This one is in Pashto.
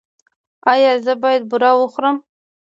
ایا زه باید بوره وخورم؟